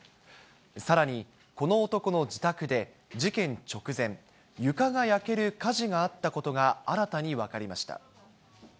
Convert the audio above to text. さらに、この男の自宅で事件直前、床が焼ける火事があったことが新たに分かりました。